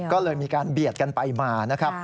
ก็เลยมีการเบียดกันไปมานะครับ